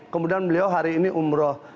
kemudian beliau hari ini umroh